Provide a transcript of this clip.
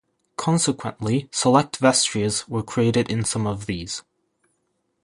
Consequently, select vestries were created in some of these.